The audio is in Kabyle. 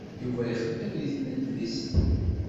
Yuba ixeddem di tnedlist.